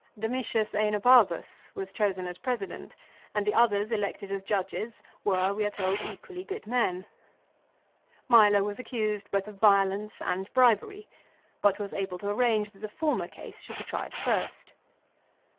Domitius ^Enobarbus was chosen as President and the others elected as judges were, we are told, equally good men. Milo was accused both of violence and bribery, but was able to arrange that the former case should be tried first.